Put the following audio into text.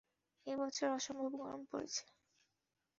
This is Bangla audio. এ বছর অসম্ভব গরম পড়েছে।